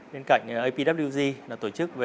bên cạnh apwg là tổ chức về